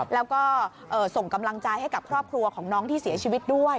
แล้วก็ส่งกำลังใจให้กับครอบครัวของน้องที่เสียชีวิตด้วย